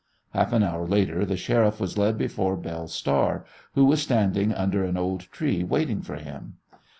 Half an hour later the Sheriff was led before Belle Star, who was standing under an old tree waiting for him.